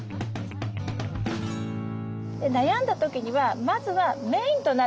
悩んだ時にはまずはメインとなるもの